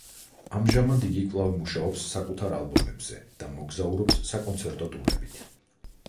ამჟამად იგი კვლავ მუშაობს საკუთარ ალბომებზე და მოგზაურობს საკონცერტო ტურებით.